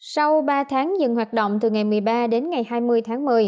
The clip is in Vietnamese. sau ba tháng dừng hoạt động từ ngày một mươi ba đến ngày hai mươi tháng một mươi